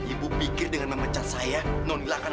ibu pikir dengan memecat saya non lila akan